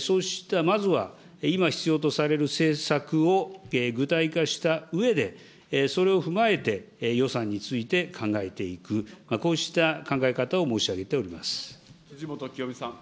そうしたまずは今、必要とされる政策を具体化したうえで、それを踏まえて、予算について考えていく、こうした考え方を申し上げて辻元清美さん。